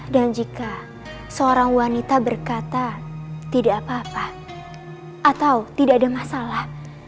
dan jika seorang wanita berkata tidak apa apa atau tidak ada masalah